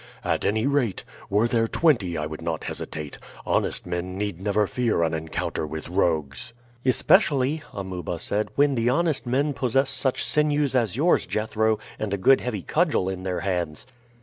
At any rate, were there twenty I would not hesitate; honest men need never fear an encounter with rogues." "Especially," Amuba said, "when the honest men possess such sinews as yours, Jethro, and a good heavy cudgel in their hands."